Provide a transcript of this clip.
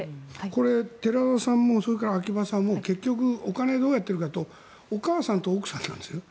これ寺田さんも秋葉さんもお金をどうやっているかというとお母さんと奥さんなんです。